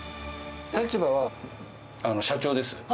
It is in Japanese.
立場は社長です。